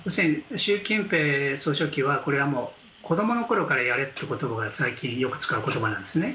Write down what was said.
習近平総書記は子どもの頃からやれという言葉が最近よく使う言葉なんですね。